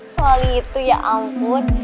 soalnya itu ya ampun